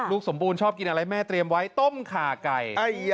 สมบูรณชอบกินอะไรแม่เตรียมไว้ต้มขาไก่